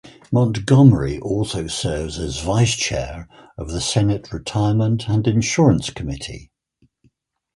Montgomery also serves as vice chair of the Senate Retirement and Insurance Committee.